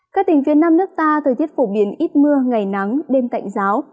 các tỉnh phía nam nước ta thời tiết phổ biến ít mưa ngày nắng đêm tạnh giáo